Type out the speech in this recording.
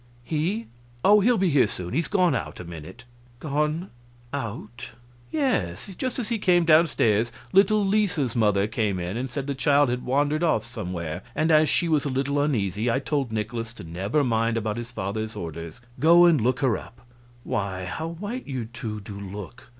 "He? Oh, he'll be here soon; he's gone out a minute." "Gone out?" "Yes. Just as he came down stairs little Lisa's mother came in and said the child had wandered off somewhere, and as she was a little uneasy I told Nikolaus to never mind about his father's orders go and look her up.... Why, how white you two do look!